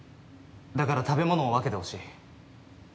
だから食べ物を分けてほしい。